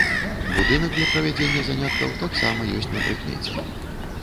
Будынак для правядзення заняткаў таксама ёсць на прыкмеце.